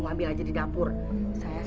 ini masih ada di mana ini mas